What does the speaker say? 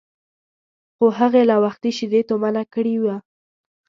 خو هغې لا وختي شیدې تومنه کړي وو.